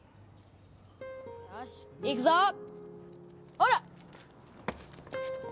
よしいくぞほら！